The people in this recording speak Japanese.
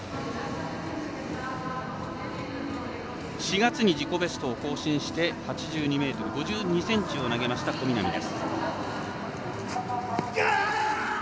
４月に自己ベストを更新して８２ｍ５２ｃｍを投げました小南です。